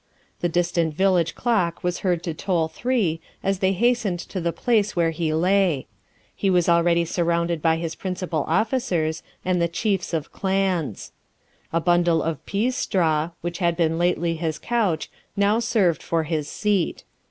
The distant village clock was heard to toll three as they hastened to the place where he lay. He was already surrounded by his principal officers and the chiefs of clans. A bundle of pease straw, which had been lately his couch, now served for his seat.